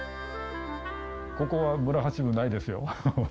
ここは村八分ないですよ。